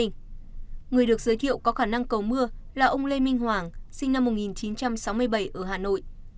người được giới thiệu có khả năng cầu mưa là ông lê minh hoàng sinh năm một nghìn chín trăm sáu mươi bảy ở hà nội